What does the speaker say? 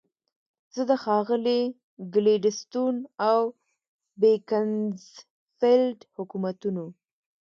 زه د ښاغلي ګلیډستون او بیکنزفیلډ حکومتونو.